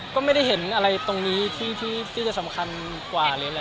ก็ไม่ได้เห็นอะไรตรงนี้ที่จะสำคัญกว่าหรืออะไร